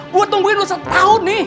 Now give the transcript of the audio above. gue nungguin lu setahun nih